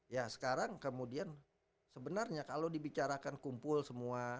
ya sekarang kemudian sebenarnya kalau dibicarakan kumpul semua